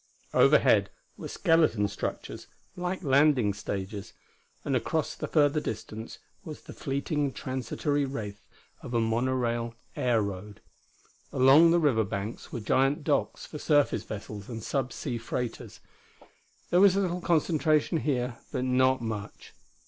Overhead were skeleton structures, like landing stages; and across the further distance was the fleeting, transitory wraith of a monorail air road. Along the river banks were giant docks for surface vessels and sub sea freighters. There was a little concentration here, but not much.